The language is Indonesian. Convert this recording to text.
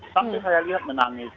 sampai saya lihat menangis